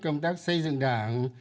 công tác xây dựng đảng